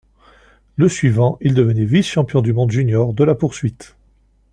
Le suivant, il devenait vice-champion du monde juniors de la poursuite.